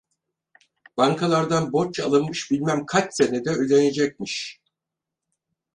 Bankalardan borç alınmış, bilmem kaç senede ödenecekmiş.